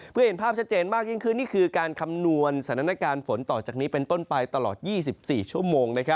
เพื่อเห็นภาพชัดเจนมากยิ่งขึ้นนี่คือการคำนวณสถานการณ์ฝนต่อจากนี้เป็นต้นไปตลอด๒๔ชั่วโมง